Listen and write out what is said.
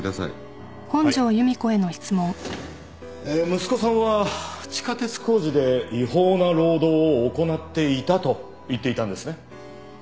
息子さんは地下鉄工事で違法な労働を行っていたと言っていたんですね。